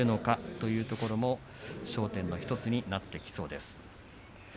そこも焦点の１つになってきそうです。